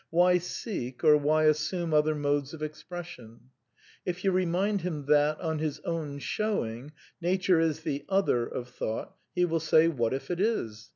Why seek, or why assume other modes of expression? If you rei^ind hL that, on his own showing, Nature is the " other " of Thought, he will say. What if it is